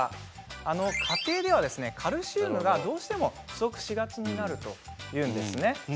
家庭ではカルシウムがどうしても不足しがちになるというんです。